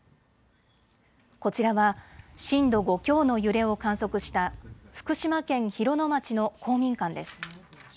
こちらは震度５強の揺れを観測した福島県広野町の公民館です。